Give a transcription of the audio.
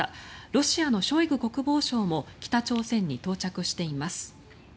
ロシアのショイグ国防相も北朝鮮に到着しています。